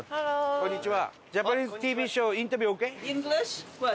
こんにちは。